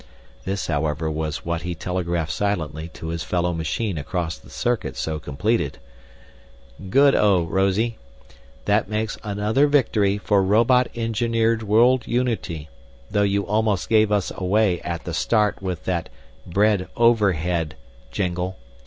This, however, was what he telegraphed silently to his fellow machine across the circuit so completed: "Good o, Rosie! That makes another victory for robot engineered world unity, though you almost gave us away at the start with that 'bread overhead' jingle.